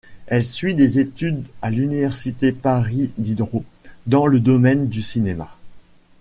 Elle suit des études à l’université Paris-Diderot, dans le domaine du cinéma.